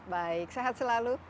baik sehat selalu